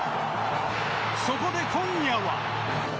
そこで、今夜は。